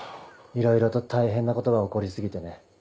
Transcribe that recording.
いろいろと大変なことが起こり過ぎてね。